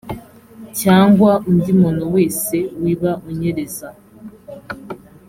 cyangwa undi muntu wese wiba unyereza